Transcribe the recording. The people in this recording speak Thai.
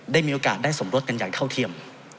ได้มีโอกาสส่งลดการยายเข้าเทียม